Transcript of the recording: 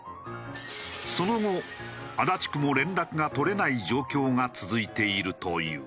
その後足立区も連絡が取れない状況が続いているという。